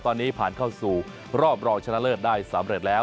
ตอนนี้ผ่านเข้าสู่รอบรองชนะเลิศได้สำเร็จแล้ว